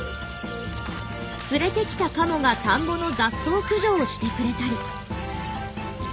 連れてきた鴨が田んぼの雑草駆除をしてくれたり。